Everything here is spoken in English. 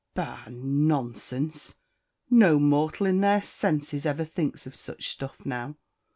Bah nonsense no mortal in their senses ever thinks of such stuff now."